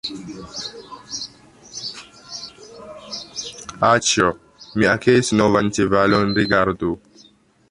Aĉjo, mi akiris novan ĉevalon, rigardu!